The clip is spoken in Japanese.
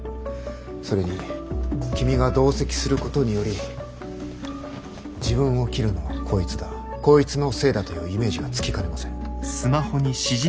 それに君が同席することにより自分を切るのはこいつだこいつのせいだというイメージがつきかねません。